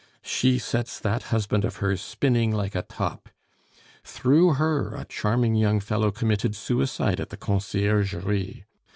She sets that husband of hers spinning like a top. Through her a charming young fellow committed suicide at the Conciergerie.